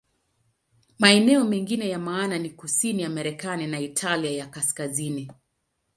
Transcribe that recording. Maeneo mengine ya maana ni kusini ya Marekani na Italia ya Kaskazini.